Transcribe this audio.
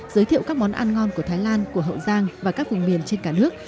giới thiệu các món ăn ngon của thái lan của hậu giang và các vùng miền trên cả nước